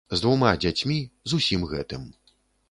З двума дзяцьмі, з усім гэтым.